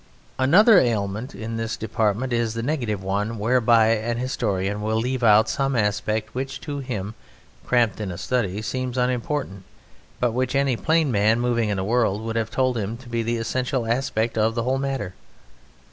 Another ailment in this department is the negative one, whereby an historian will leave out some aspect which to him, cramped in a study, seems unimportant, but which any plain man moving in the world would have told him to be the essential aspect of the whole matter.